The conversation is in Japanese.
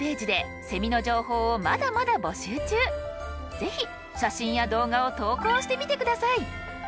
ぜひ写真や動画を投稿してみて下さい。